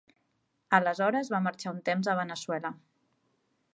Aleshores va marxar un temps a Veneçuela.